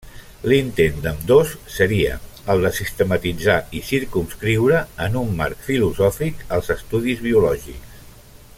L'intent d'ambdós seria el de sistematitzar i circumscriure en un marc filosòfic als estudis biològics.